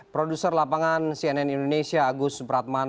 produser lapangan cnn indonesia agus supratman